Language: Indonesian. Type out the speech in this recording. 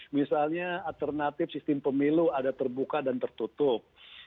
misalnya alternatif sistem pemilu ada terbuka dan tertutup